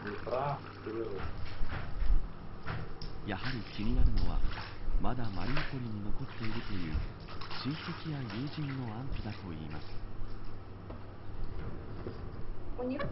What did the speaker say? やはり気になるのはまだマリウポリに残っているという親戚や友人の安否だといいます。